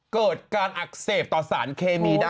เกิดการอักเสบต่อสารเคมีได้